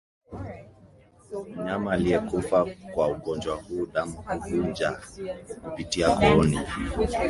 Mnyama aliyekufa kwa ugonjwa huu damu huvuja kupitia kooni